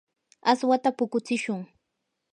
aswata puqutsishun.